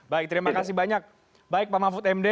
baik terima kasih banyak baik pak mahfud md